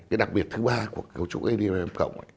cái đặc biệt thứ ba của cấu trúc adm